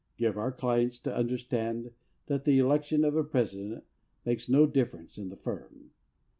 'Give our clients to understand that the election of a President makes no difference in the firm.